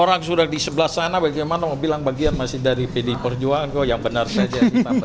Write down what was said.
orang sudah di sebelah sana bagaimana mau bilang bagian masih dari pd perjuangan kok yang benar saja